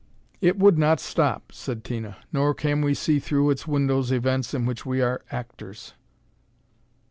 "It would not stop," said Tina. "Nor can we see through its windows events in which we are actors."